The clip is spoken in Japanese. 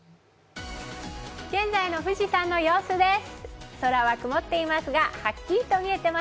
現在の富士山の様子です。